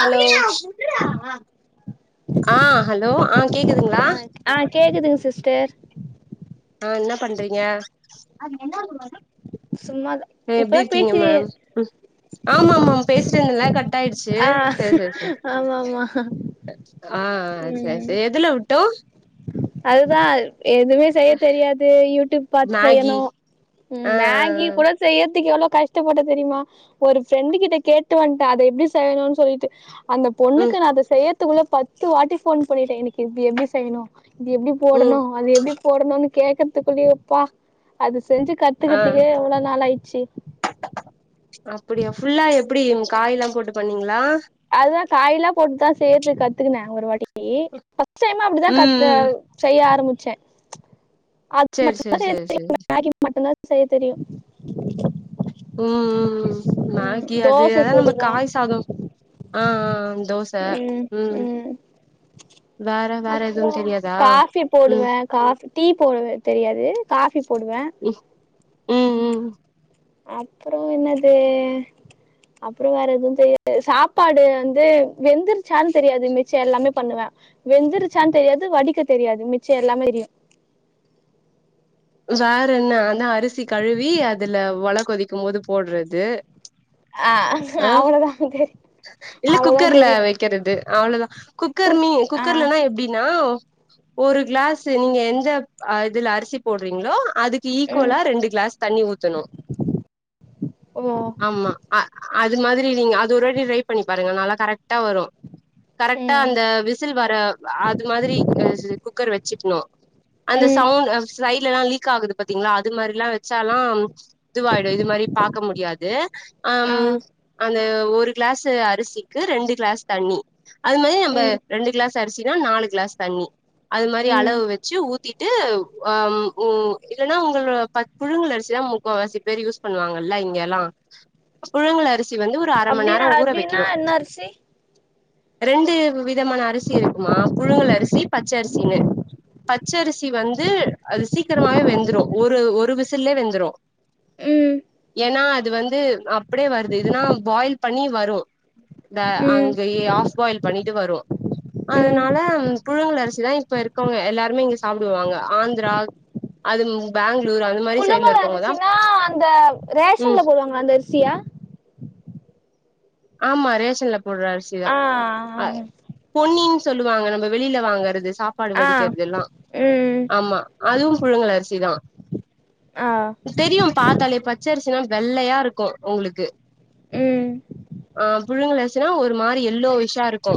அது என்ன [unintelligible] ஆ ஹலோ ஆ கேக்குதுங்களா ஆ கேக்குதுங்க சிஸ்டர் ஆ இன்னா பண்றீங்க சும்மாதா ஏ எப்டி இப்பதா இருக்கீங்க பேசி மேம் ஆமா ஆமா மேம் பேசிட்டே இருந்தல்ல கட் கட் ஆயிடுச்சு ஆ செரி செரி ஆமா ஆமா ஆ ச ம் சரி எதுல உட் டோ அதுதா எதுவுமே செய்ய தெரியாது யூடியூப் பாத்து மேகி செய்யணும் ஆ மேகி கூட செய்யறதுக்கு எவ்வளோ கஷ்டப்பட்ட தெரியுமா ஒரு ஃப்ரெண்டு கிட்ட கேட்டு வன்ட அத எப்டி செய்யணும்னு சொல்லிட்டு அந்த பொண்ணுக்கு ம் நா அத செய்யத்துக்குள்ள பத்து வாட்டி போன் பண்ணிட்ட எனக்கு இது எப்டி செய்யணும் இது எப்டி ம் போடணும் அது எப்டி போடணும்னு கேக்கறதுக்குள்ளயேப்பா அது செஞ்சு க ஆ கத்துக்கிறதுக்கே எவளோ நாள் ஆயிச்சு அப்டியா ஃபுல்லா எப்டி காய் எல்லா போட்டு பண்ணீங்களா அதுதா காய எல்லா போட்டுதா செய்யறதுக்கு கத்துக்குனன் ஒரு வாட்டி டி ஃபர்ஸ்ட் டைம் அப்டிதா க ம் ம் செய்ய ஆரம்பிச்ச அது சேரி மட்டும்தா சேரி செய்ய சேரி சேரி தெரியு மேகி மட்டும்தா செய்ய தெரியு ம் ம் மேகி அது தோச அது நம்ம சுடுவே காய் சாத ஆ ஆ தோச ம் வேற வேற அப்பற எதுவு தெரியாதா காஃபி போடுவ ம் காஃபி டீ போடுவ தெரியாது காஃபி போடுவ ம் ம் ம் அப்றோ என்னது அப்றோ வேற எதுவும் தெரியாது சாப் சாப்பாடு வந்து வெந்தருச்சான்னு தெரியாது மிச்ச எல்லாமே பண்ணுவ வெந்தருச்சான்னு தெரியாது வடிக்க தெரியாது மிச்ச எல்லாமே தெரியும் வேற என்ன அந்தா அரிசி கழுவி அதுல ஒல கொதிக்கும் போது போடுறது ஆ ஆ அவ்ளோதா தெர் இல்ல குக்கர்ல வைக்கறது அவ்ளவுதா குக்கர் ம ஆ குக்கர்லனா எப்டின்னா ஒரு கிளாஸ் நீங்க எந்த இதுல அரிசி போடுறீங்களோ அதுக்கு ஈக்குலா ரெண்டு கிளாஸ் தண்ணி ஊத்தணு ஓ ஆமா அ அது மாதிரி நீங்க அது ஒரு வாட்டி ட்ரை பண்ணி பாருங்க நல்லா கரெக்ட்டா வரு ஆ கரெக்டா அந்த விசுல் வர அது மாதிரி குக்கர் வச்சுக்கணும் அந்த சவுண்ட் சைட் எல்லா லீக் ஆகுது பாத்தீங்களா அது மாதிரி எல்லா வச்சாலா இதுவாயிடும் இது மாதிரி பாக்க முடியாது ஆம் அந்த ஒரு கிளாஸ் அரிசிக்கு ரெண்டு கிளாஸ் தண்ணி அது மாதிரி நம்ம ரெண்டு கிளாஸ் அரிசினா நாலு கிளாஸ் தண்ணி அது மாதிரி ம் அளவு வச்சு ஊத்திட்டு ஆ உ இல்லன்னா உங்கள ப மாரி புழுங்க அரிச்சுதா முக்காவாசி பேர் யூஸ் பண்ணுவாங்கல்ல இங்க எல்லா புழுங்கள் அரிசி வந்து ஒரு அர ம நேர அப்டின்னா ஊற அப்டின்னா வைக்கணும் என்ன அரிசி ரெண்டு விதமான அரிசி இருக்குமா புழுங்கல் அரிசி பச்ச அரிசனு பச்சரிசி வந்து அது சீக்கிரமாவே வெந்துரும் ஒரு ஒரு விசுலே வெந்துரு ம் ஏன்னா அது வந்து அப்டியே வருது இதுனா பாயில் பண்ணி வரும் இந்த ம் அங்க ஆஃப் பாயில் பண்ணிட்டு வரும் ம் அதனால புழுங்கல் அரிசிதா இப்ப இருக்கவங்க எல்லாருமே இங்க சாப்டுவாங்க ஆந் ந்ரா அது பெங்ளூர் அது மாரி சைட்ல இருக் புழுங்க அரிசினா அந்த ரேஷன்ல போடுவாங்கள அந்த அரிசியா ஆமா ரேஷன்ல போட்ற அரிசிதா ஆ அ பொன்னின்னு சொல்லுவாங்க நம்ம வெளியில வாங்கறது சாப்பாடு ஆ வடிக்கறது எல்லா ம் ஆமா அதுவு புழுங்கல் அரிசி தா அ தெரியு பாத்தாலே பச்சரிசினா வெள்ளையா இருக்கு ஒங்ளுக்கு ம் அ புழுங்கலர்சினா ஒரு மாரி எல்லோவிஷா இருக்கு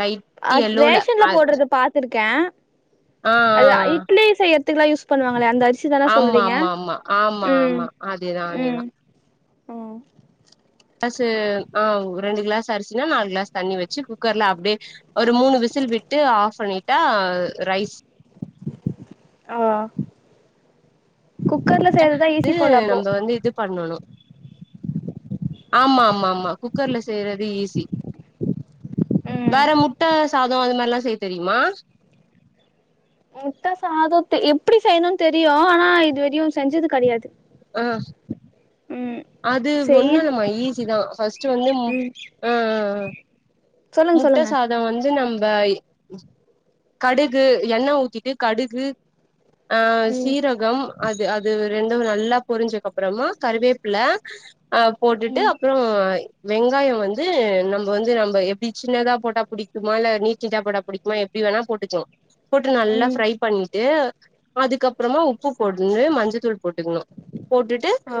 லைட் அத் எல்லோல ரேஷன்ல அது போடுறது பாத்துருக்கே ஆ அது இட்லி செய்ய துக்ல்லா யூஸ் பண்ணுவாங்களே அந்த அரிசி தான ஆ ஆமா சொல்றீங்க ஆமா ஆமா ஆமா ம் ஆமா அதேதா அதேதா ம் ஓ கிளாஸ்ஸு அ ரெண்டு கிளாஸ் அரிசின்னா நாலு கிளாஸ் தண்ணி வெச்சு குக்கர்ல அப்டியே ஒரு மூனு விசில் விட்டு ஆஃப் பண்ணிட்டா ரைஸ் ஆ குக்கர்ல ஈஸி து போல அப்போ நம்ம வந்து இது பண்ணனு ஆமா ஆமா ஆமா குக்கர்ல செய்றது ஈஸி ம் வேற முட்ட சாதோ அந்த மாரில்லா செய்ய தெரியுமா முட்ட சாதோ தெ எப்டி செய்யனுன் தெரியு ஆனா இது வெறியு செஞ்சது கெடயாது அ அது செய் ஒன்னுலமா ஈஸி தா ஃபர்ஸ்ட்டு வந்து மு ம் அ அ அ சொல்லுங்க சொல்லுங்க இத வந்து நம்ப கடுகு எண்ண ஊத்திட்டு கடுகு அ ம் சீரகம் அது அது ரெண்டு நல்லா பொரிஞ்சக்கப்பறமா கருவேப்பில அ போட்டுட்டு ம் அப் ப்றோ வெங்காயொ வந்து நம்ப வந்து நம்ப எப்டி சின்னதா போட்டா புடிக்குமா இல்ல நீட் நீட்டா போட்டா புடிக் மா எப்டி வேணா போட்டுக்லா போட்டு நல்லா ம் ஃப்ரை பண்ணிட்டு அதுக்கப்றமா உப்பு போட்டுன்னு மஞ்சத்தூள் போட்டுக்னு போட்டுட் அ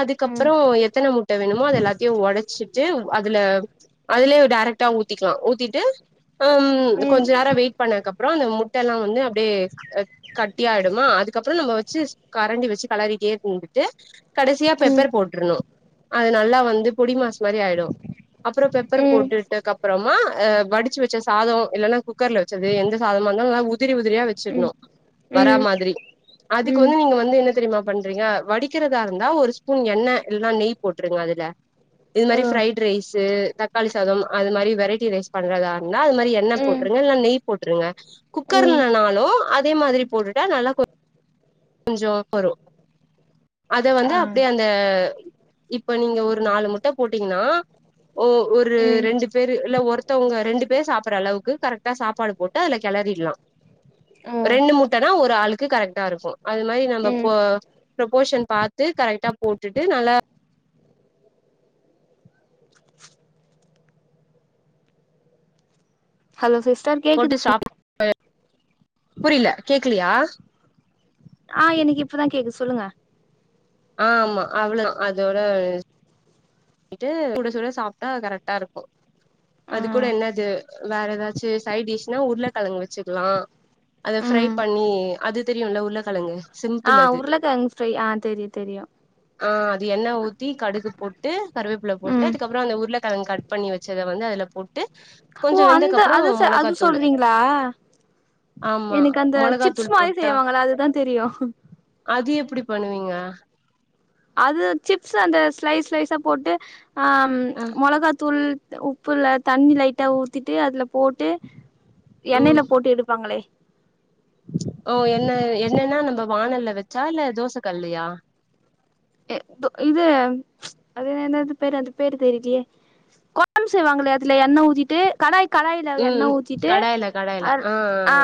அதுக்கப்றோ எத்தன முட்ட வேணுமோ அது எல்லாத்தையு ஒடச்சிட்டு அதுல அதுலே டேரெக்டா ஊத்திக்கலா ஊத்திட்டு ம் கொஞ்ச நேரோ வெயிட் பண்ணக்கப்றோ அந்த முட்டெல்லா வந்து அப்டியே க கட்டி ஆயிடுமா அதுக்கப்றோ நம்ம வச்சு கரண்டி வச்சு கெலறிட்டே இரு [unintelligible] ட்டு கடசியா ம் பெப்பர் போட்ருனு அது நல்லா வந்து பொடி மாஸ் மாரி ஆயிடு அப்பறொ பெப்பர் ம் போட்டுட்டக்கப்பறொ மா அ வடுச்சு வச்ச சாதோ இல்லன்னா குக்கர்ல வச்சது எந்த சாதமா இருந்தாலு நல்லா உதிரி உதிரியா ம் வெச்சிட்ணு வரா ம் மாதிரி அதுக்கு ம் வந்து நீங்க வந்து என்ன தெரியுமா பண் றிங்க வடிக்கிறதா இருந்தா ஒரு ஸ்பூன் எண்ண இல்ன்னா நெய் போட்ருங்க அதுல இது ஓ மாரி ஃபிரைட் ரைஸ்ஸு தக்காளி சாதம் அது மாரி வெரைட்டி ரைஸ் பண்றதா இருந்தா அது மாரி எண்ணப் ம் போட்ருங்க இல்லன்னா நெய் போட்ருங்க ம் குக்கர்லனாலு அ அதே மாதிரி போட்டுட்டா நல்லா கொ [inaudible] கொஞ்சோ வரு அத வந்து ஆ அப்டியே அந்த இப்ப நீங்க ஒரு நாலு முட்ட போட்டிங்கன்னா ஓ ஒரு ம் ரெண்டு பேரு இல்ல ஒரு த்தவுங்க ரெண்டு பேர் சாப்புட்ற அளவுக்கு கரெக்டா சாப்பாடு போட்டு அதுல கெளரிர்ல்லா ஓ ரெண்டு முட்ட தா ஒரு ஆளுக்கு கரெக்டா இருக்கு அது மாரி நம்ப போ ம் ப்ரபோஷன் பாத்து கரெக்டா போட்டுட்டு நல்லா ஹலோ சிஸ்டர் கேக்குது போட்டு [unintelligible] புரில கேக்லியா ஆ எனகு இப்பதா கேக்கு சொல்லுங்க ஆ ஆமா அவ்ளோதா அதோட மிட்டு சுட சுட சாப்ட்டா அது கரெக்டாருக்கு அதுக் கூட ம் என்னது வேற எதா ச்சு சைடிஷ்னா உருளக்கெழங்கு வெச்சுக்லா அத ஃப்ரைப் ம் பண்ணி அது தெரியுல்ல உருளகெழங்கு ஆ உருளகெழங்கு ஃப்ரை ஆ தெரியு தெரியு ஆ அது எண்ணெ ஊத்தி கடுகு போட்டு கருவேப்ள போட்டு ம் அதுக்கப்றோ அந்த உருளகெழங்கு கட் பண்ணி வெச்சத வந்து அதலப் போட்டு ஓ கொஞ்சோ அந்த வெந்தகப்றோ அத அது மொளகாத்தூளு சொல்றீங்களா ஆமா எனக்கு அந்த சிப்ஸ் மொளகாத்தூள் மாரி போட்டா செய்வாங்கள அதுதா தெரியு அது எப்டி பண்ணுவீங்க அது சிப்ஸு அந்த ஸ்லைஸ் ஸ்லைஸாப் போட்டு அம் அ மொளகாத்தூள் உப்புலத் தண்ணி லைட்டா ஊத்திட்டு அதுலப் போட்டு ம் எண்ணெல போட்டு எடுப்பாங்களே ஓ எண்ணெ எண்ணென்னா நம்ம வானல்ல வெச்சா இல்ல தோசக் கல்லியா எ தோ இதே அது என்னது பேரு அதுப் பேரு தெரிலியே கொழம்பு செய்வாங்களே அதுல எண்ணெ ஊத்திட்டு கடாய்க் கடாயில எண்ணெ ம் ஊத்திட்டு கடாயில கடாயில அர் ஆ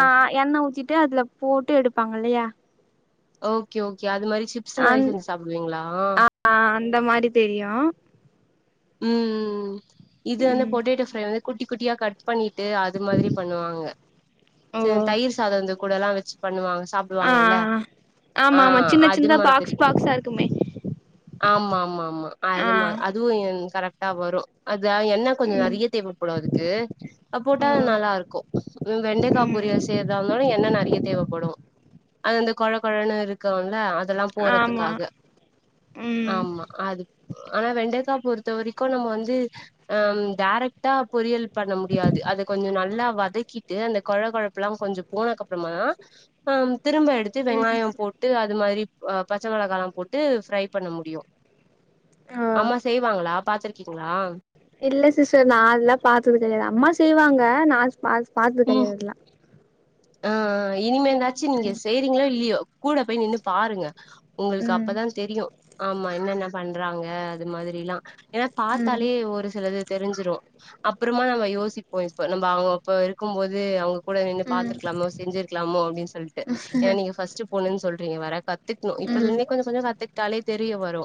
எண்ணெ ஊத்திட்டு அதுல போட்டு எடுப்பாங்க இல்லையா ஓகே ஓகே அது மாரி சிப்ஸ் மாரி அந் செஞ்சி சாப்டுவீங்ளா ஆ அந்த மாரி தெரியு ம் ம் ம் இது வந்து ம் பொட்டேட்டோ ஃப்ரை வந்து குட்டி குட்டியா கட் பண்ணிட் ட்டு அது மாதிரி பண்ணுவாங்க சே ஓ தயிர் சாதந்து கூடாலா வெச்சு பண்ணுவாங்க சாப் ஆ சொவாங்கல்ல ஆமா ஆ ஆமா சின்ன அது சின்னதா மாதிரி பாக்ஸ் பாக்ஸா இருக்குமே ஆமாமாமா ஆ அதுமா அதுவு இந் கரெக்டா வரு அதா எண் ண்ணெ கொஞ்சோ ம் நெறையத் தேவப்படு அதுக்கு அது போட்டா நல்லாருக்கு வெ வெண்டக்காப் ம் பொரியல் செய்ரதாருந்தாலு எண்ணெ நெறையத் தேவப்படு அது அந்த கொழ கொழனுருக் க்குல்ல அதெலாம் ஆமா போறதுக்காக ம் ஆமா அதுக் ஆனா வெண்டக்கா பொறுத்த வரைக்கு நம்ம வந்து அம் டேரக்ட்டா பொரியல் பண்ண முடியாது அத கொஞ்சோ நல்லா வதக்கிட்டு அந்தக் கொழ கொழப்புலாங் கொஞ்சப் போனக்கப்றமாதா அம் திரும்ப எடுத்து வெங்காயம் போட்டு அது மாரிப் ஆ பச்ச மெளகாலாம் போட்டு ஃப்ரைப் பண்ண முடியு ஆ அம்மா செய்வாங்களாப் பாத்துருக்கீங்ளா இல்ல சிஸ்டர் நா அதுல்லாப் பாத்தது கெடையாது அம்மா செய்வாங்க நாச் பாச் பாத்தது கெடையாது அதுலா அ அ இனிமேனாச்சு நீங்க செய்றீங்ளோ இல்லியோ கூட போய் நின்னுப் பாருங்க உங்கள்க்கு ம் அப்பதாந் தெரியு ஆமா என்னென்ன பண்றாங்க அது மாதிரிலா எனாப் ம் பாத்தாலே ஒரு சிலது தெரிஞ்சிரு அப்புறமா நம்ம யோசிப்போ இப்ப நம்ம அங்க அப்ப இருக் க்கும் போது அவுங்கக் கூட நின்னுப் ம் பாத்துருக்லாமோ செஞ்சிருக்லாமோ அப்டின்னு சொல்ட்டு எனா நீங்க ஃபஸ்ட்டுப் பொண்ணுன் சொல்றீங்க வேற கத் த்துக்ணு ம் இப்பலருந்தே கொஞ்சோ கொஞ்சோ கத்துக்ட்டாலேத் தெரிய வரு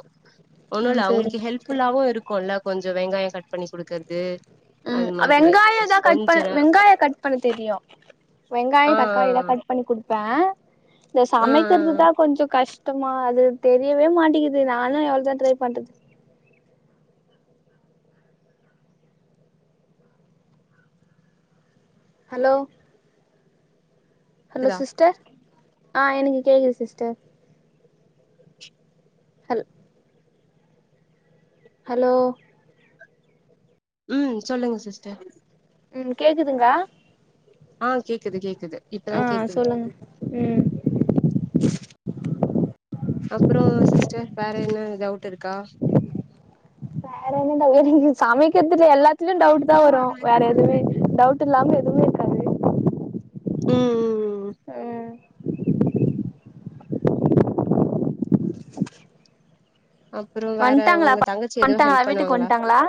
ம் ஒன்னுல்ல சேரிங்க அவுங்குள்க்கு ஹெல்ப் ஃபுல்லாவு இருக்குல்ல கொஞ்சோ வெங்காயோ கட் பண்ணி குடுக்கற்து ம் அ வெங்காயோதா கட் பண்ண நேரோ வெங்காயோ கட் பண்ணத் தெரியு வெங்காயோ ஆ ஆ ஆ தக்காளிலாக் கட் பண்ணி குடுப்பே இந்த ஆ சமைக்கிறதுதா ஆ கொஞ்சோ கஷ் டமா அது தெரியவே மாட்டிகிது நானு எவ்ளோதா ட்ரைப் பண்றது ஹலோ ஹலோ கேக்குதா சிஸ்டர் ஆ எனக்கு கேக்குது சிஸ்டர் ஹல் ஹலோ ம் சொல்லுங்க சிஸ்டர் ம் கேக்குதுங்கா ஆ கேக்குது கேக்குது இப்பதா ஆ கேக்குது சொல்லுங்க ம் அப்றோ சிஸ்டர் வேற என்ன டவுட் இருக்கா வேற என்ன ட எனக்கு சமக்கிறதுல எல்லாத்துலயு டவுட்டுதா வரு வேற எதுமே டவுட்டு இல்லாம எதுமே ம் ம் ம் அப்றோ வேற வந்ட்டாங்களா ஒங்க ப தங்கச்சி எது வந்ட்டாங்களா ஹெல்ப் வீட்டுக்கு பண்ணுவாங்ளா வந்ட்டாங்களா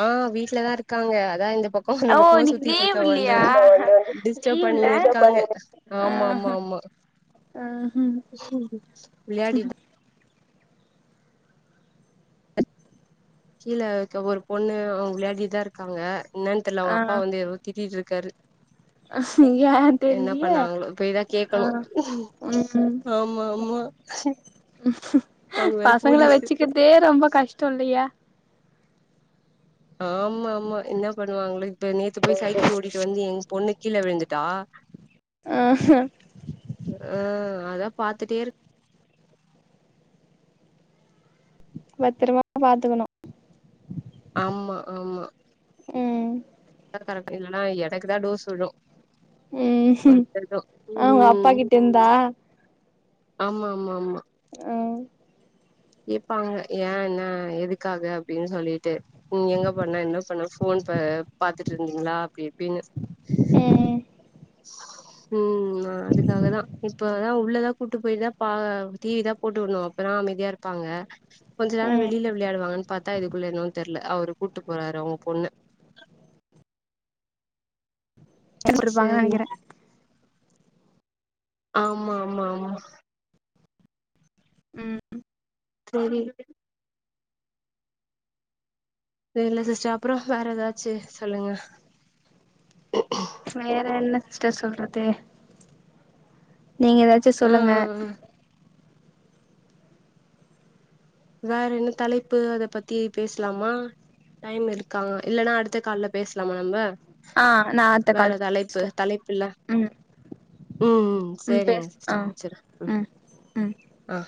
ஆ வீட்லதா இருக்காங்க அதா இந்த பக் ஓ அந்த பக்கமா இன்னைக்கு சுத்திட்ருக்கே லீவ் வந்து இல்லையா வந்து டிஸ்டப் லீவ் இல்ல பண்ணினு இருக்காங்க ஆமா ஆமா ஆஹ ஆமா ம்ஹும் விளையாடிடு கீழ இருக்க ஒரு பொண்ணு அவங்க விளாடிதா இருக்காங்க என்னான் தெர்ல ஆ அவங்க அப்பா வந்து எதோ திட்டிட்ருக்காரு யார் தெர்லியே பண்ணாங்களோ போய்தா ஆ கேக்கணு ம் ஆமா ஆமா அவங்க வேற பசங்கள போலீஸ் வச்சுக்கற்தே ரொம்ப கஷ்டோ இல்லயா ஆமா ஆமா என்ன பண்ணுவாங்களோ இப்ப நேத்து போய் சைக்கிள் ஓட்டிடு வந்து எங் பொண்ணு கீழ விழுந்துட்டா ஆ ஆ அதா பாத்துட்டே இருக் பத்ரமா பாத்துக்கணு ஆமா ஆமா ம் தா கரெக்ட் இல்லன்னா எனக்குதா டோஸ் உழு ம் அவங்க அப்பா ம் கிட்ட இருந்தா ஆமா ஆமா ஆமா அ கேப்பாங்க ஏ என்ன எதுக்காக அப்டின் சொல்லிட்டு நீ எங்க போன என்ன பண்ண ஃபோன் ப பாத்துட்ருந்தீங்ளா அப்டி இப்டினு அ ம் அதுக்காகதா இப்பதா உள்ளதா கூட்டு போயிதா பா டி விதா போட்டு உட்னு அப்பதா அமைதியா இருப்பாங்க கொஞ்ச நேரோ ம் வெளில விளையாடுவாங்கன் பாத்தா இதுக்குள்ள என்னவோன் தெர்ல அவரு கூட்டு போறாரு அவங்க பொண்ண இருப்பாங்கன்னு சேரி நெனைக்கிறே ஆமா ஆமா ஆமா ம் சேரி இல்ல சிஸ்டர் அப்றோ வேற ஏதாச்சு சொல்லுங்க வேற என்ன சிஸ்டர் சொல்றது நீங்க எதாச்சு ஆ சொல்லுங்க ஆ ஆ வேற என்ன தலைப்பு அத பத்தி பேசலாமா டைம் இருக்கா இல்லனா அடுத்த கால்ல பேசலாமா நம்ம ஆ நா அடுத்த வேற கால் தலைப்பு சிஸ்டர் தலைப்பு இல்ல ம் ம் ம் சேரிங்க பேசு ஆ சிஸ்டர் வச்சிறே ம் ம் அ